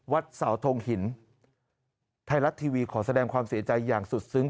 วัดเสาทงหินไทยรัฐทีวีขอแสดงความเสียใจอย่างสุดซึ้ง